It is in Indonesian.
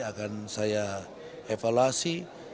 akan saya evaluasi